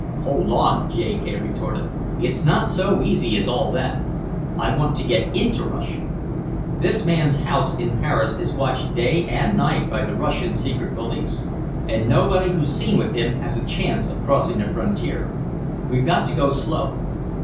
"Hold on," J. K. retorted. "It's not so easy as all that. I want to get into Russia. This man's house in Paris is watched day and night by the Russian secret police, and nobody who's seen with him has a chance of crossing the frontier. We've got to go slow."